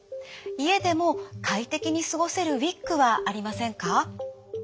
家でも快適に過ごせるウイッグはありませんか？」。